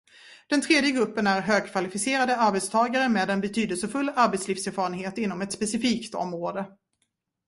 Den tredje gruppen är högkvalificerade arbetstagare med en betydelsefull arbetslivserfarenhet inom ett specifikt område.